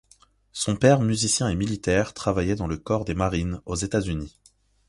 Son père musicien et militaire travaillait dans le Corps des Marines aux États-Unis.